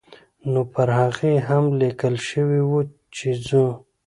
نو پر هغې هم لیکل شوي وو چې ځو.